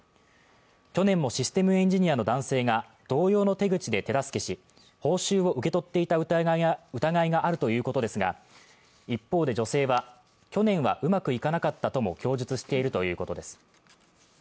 去年もシステムエンジニアの男性が同様の手口で手助けし、報酬を受け取っていた疑いがあるということですが、一方で女性は、去年はうまくいかなかったとも供述しているということです。